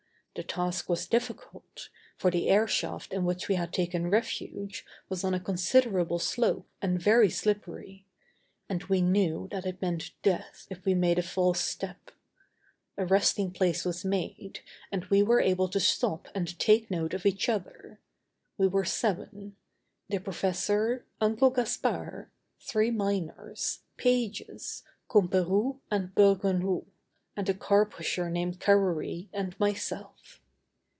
The task was difficult, for the airshaft in which we had taken refuge was on a considerable slope and very slippery. And we knew that it meant death if we made a false step. A resting place was made, and we were able to stop and take note of each other. We were seven: the professor, Uncle Gaspard, three miners, Pages, Comperou and Bergounhoux, and a car pusher named Carrory, and myself.